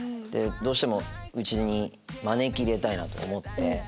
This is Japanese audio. どうしてもうちに招き入れたいなと思って。